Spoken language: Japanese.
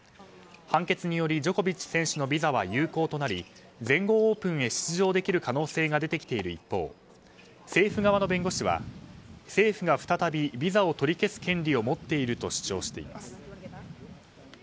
判決によりジョコビッチ選手のビザは有効となり全豪オープンに出場できる可能性が出てきている一方政府側の弁護士は政府が再びビザを取り消す権利を持っていると主張しています。